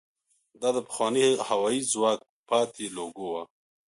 دا د پخواني هوايي ځواک پاتې لوګو وه.